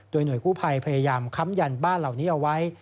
โดยหน่วยกู้ภัยพยายามค้ำยันบ้านเหล่านี้เอาไว้